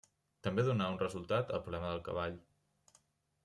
També donà un resultat al problema del cavall.